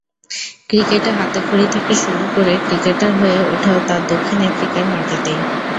ক্রিকেটে হাতেখড়ি থেকে শুরু করে ক্রিকেটার হয়ে ওঠাও তাঁর দক্ষিণ আফ্রিকার মাটিতেই।